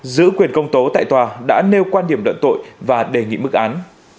giữ quyền công tố tại tòa đã nêu quan điểm luận tội và đề nghị mức án